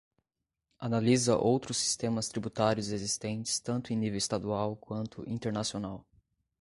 Analisa outros sistemas tributários existentes tanto em nível estadual quanto internacional.